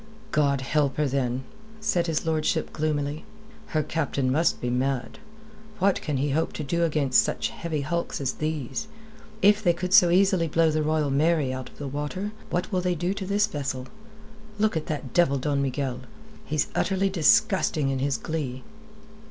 "God help her, then," said his lordship gloomily. "Her captain must be mad. What can he hope to do against two such heavy hulks as these? If they could so easily blow the Royal Mary out of the water, what will they do to this vessel? Look at that devil Don Miguel. He's utterly disgusting in his glee."